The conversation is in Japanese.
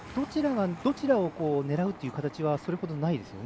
どちらを狙うという形はそれほどないですよね